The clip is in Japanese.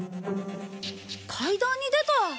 階段に出た。